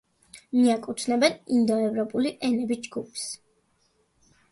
მიაკუთვნებენ ინდოევროპული ენების ჯგუფს.